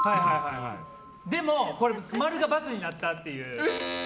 でも、○が×になったっていう。